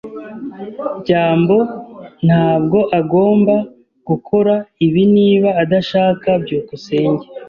byambo ntabwo agomba gukora ibi niba adashaka. byukusenge